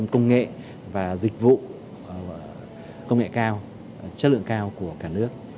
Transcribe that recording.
công nghệ và dịch vụ công nghệ cao chất lượng cao của cả nước